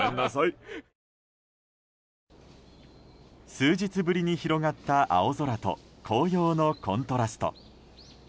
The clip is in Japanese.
数日ぶりに広がった青空と紅葉のコントラスト。